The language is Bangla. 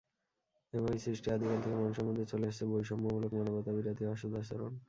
এভাবেই সৃষ্টির আদিকাল থেকে মানুষের মধ্যে চলে আসছে বৈষম্যমূলক মানবতাবিরোধী অসদাচরণ।